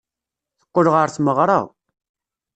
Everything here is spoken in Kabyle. Teqqel ɣer tmeɣra.